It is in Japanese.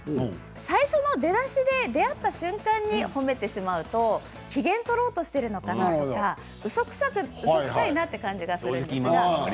最初の出だしで出会った瞬間に褒めてしまうと機嫌を取ろうとしているのかなとうそくさいなという感じがするんです。